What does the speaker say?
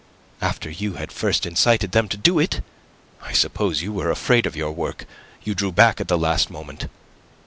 "After you had first incited them to do it. I suppose you were afraid of your work. You drew back at the last moment.